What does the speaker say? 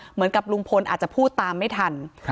เหมือนกับลุงพลอาจจะพูดตามไม่ทัน